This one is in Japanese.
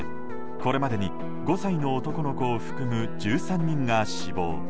これまでに５歳の男の子を含む１３人が死亡。